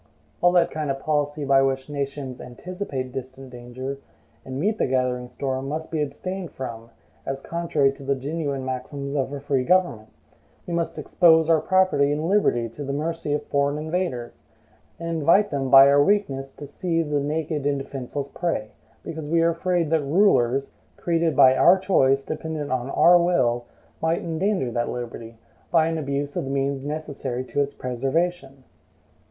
All that kind of policy by which nations anticipate distant danger, and meet the gathering storm, must be abstained from, as contrary to the genuine maxims of a free government. We must expose our property and liberty to the mercy of foreign invaders, and invite them by our weakness to seize the naked and defenseless prey, because we are afraid that rulers, created by our choice, dependent on our will, might endanger that liberty, by an abuse of the means necessary to its preservation.